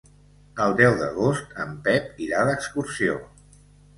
El deu d'agost en Pep irà d'excursió.